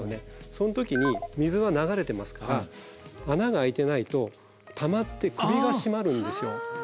その時に水は流れてますから穴が開いてないとたまって首が絞まるんですよ。